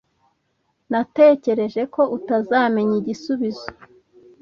Natekereje ko utazamenya igisubizo.